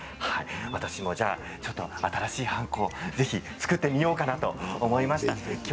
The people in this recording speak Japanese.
私も新しいはんこをぜひ作ってみようかなと思いました。